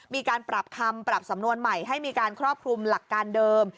มีการปรับคำปรับสำนวนใหม่ให้มีการครอบคลุมหลักการเดิม